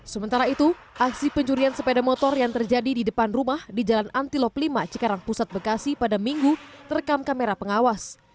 sementara itu aksi pencurian sepeda motor yang terjadi di depan rumah di jalan anti lop lima cikarang pusat bekasi pada minggu terekam kamera pengawas